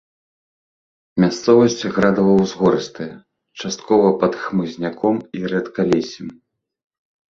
Мясцовасць градава-ўзгорыстая, часткова пад хмызняком і рэдкалессем.